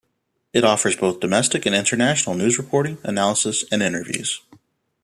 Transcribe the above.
It offers both domestic and international news reporting, analysis, and interviews.